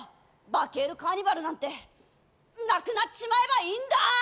バケるカーニバルなんてなくなっちまえばいいんだ！